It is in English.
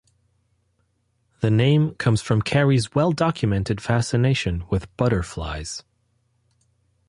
The name comes from Carey's well-documented fascination with butterflies.